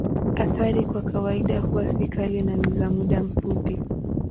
Athari kwa kawaida huwa si kali na ni za muda mfupi.